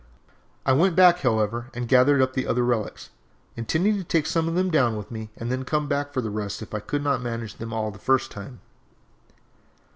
I went back, however, and gathered up the other relics, intending to take some of them down with me and then come back for the rest if I could not manage them all the first time.